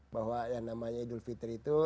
bahwa yang namanya idul fitri itu